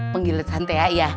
penggilet santai ya